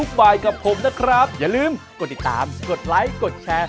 สวัสดีครับสวัสดีค่ะ